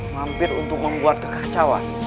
mampir untuk membuat kekecauan